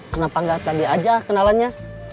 kenapa nggak tadi aja kenalannya